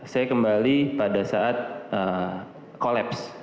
saya kembali pada saat kolaps